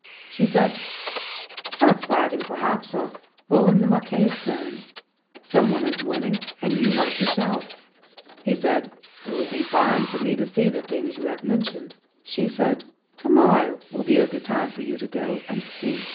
She said: "Surf riding, perhaps, or rolling the maika stone. Some one is winning and you heard the shouts." He said, "It would be fine for me to see the things you have mentioned." She said, "To morrow will be a good time for you to go and see."